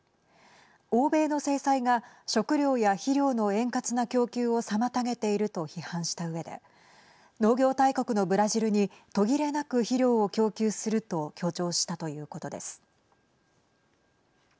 欧米の制裁が食料や肥料の円滑な供給を妨げていると批判したうえで農業大国のブラジルに途切れなく肥料を供給すると強調したということです。